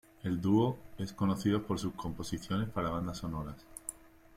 El dúo es conocido por sus composiciones para bandas sonoras.